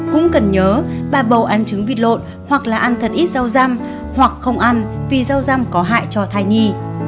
cũng cần nhớ bà bầu ăn trứng vịt lộn hoặc là ăn thật ít rau răm hoặc không ăn vì rau răm có hại cho thai nhi